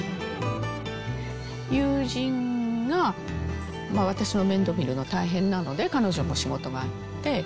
友人が私の面倒を見るのが大変なので、彼女も仕事があって。